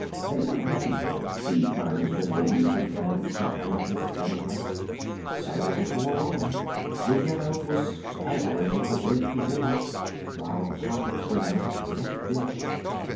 They were heavy things, these diamonds and rubies and emeralds and amethysts and the like, so before long Ruggedo was staggering with the weight he bore, while the pockets were not yet filled.